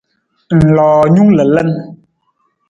Ng loo nung lalan.